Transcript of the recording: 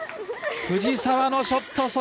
藤澤のショット。